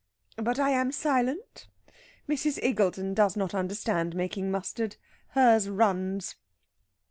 But I am silent.... Mrs. Iggulden does not understand making mustard. Hers runs."